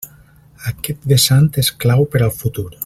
Aquest vessant és clau per al futur.